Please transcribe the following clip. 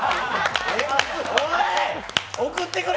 お前、送ってくれ！